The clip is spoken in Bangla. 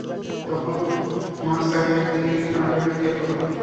তখন মাছ তাকে এক তৃণহীন প্রান্তরে নিক্ষেপ করল।